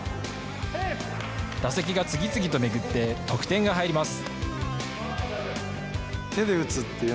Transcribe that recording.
打席が次々とめぐって、得点が入ります。